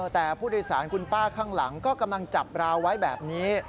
แต่ผู้โดยสารคุณป้าข้างหลังก็กำลังจับราวไว้แบบนี้